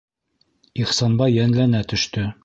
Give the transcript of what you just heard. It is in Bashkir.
Ихсанбай йәнләнә төштө: